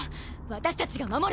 私たちが守る。